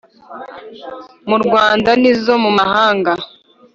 mu Rwanda n izo mu mahanga